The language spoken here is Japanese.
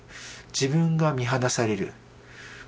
自分が見放される。